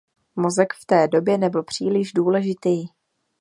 Mozek v té době nebyl příliš důležitý.